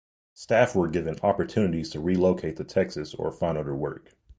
Staff were given opportunities to relocate to Texas or find other work.